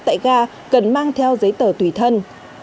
tại ga cần mang theo giấy tờ tùy thân